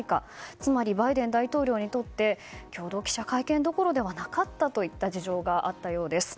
つまりバイデン大統領にとって共同記者会見どころではなかったという事情があったようです。